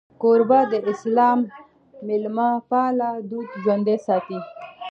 کوربه د اسلام میلمهپال دود ژوندی ساتي.